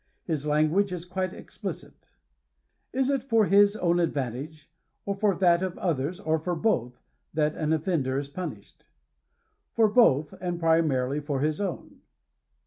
His language is quite explicit. «• Is it for his own advantage, or for that of others, or for both," that an offender is punished ?" For both, and pri marily for his own."